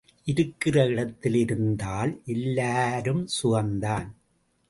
இருக்கிற இடத்தில் இருந்தால எல்லாரும் சுகந்தான்.